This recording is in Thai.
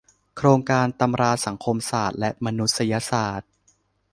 โครงการตำราสังคมศาสตร์และมนุษยศาสตร์